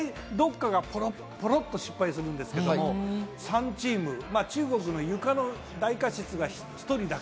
大体、試合をやると、どこかがポロポロと失敗するんですけど、３チーム、中国のゆかの大過失が１人だけ。